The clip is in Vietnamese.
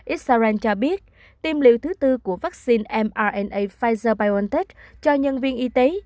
israel cho biết tiêm liệu thứ tư của vaccine mrna pfizer biontech cho nhân viên y tế